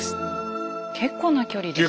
結構な距離ですね。